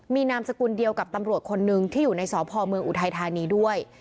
มีนามสกุลเดียวกับตำรวจคนนึงที่อยู่ในสพเมืองอุทัยธานีด้วย